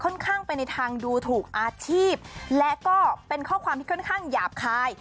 ข้างไปในทางดูถูกอาชีพและก็เป็นข้อความที่ค่อนข้างหยาบคาย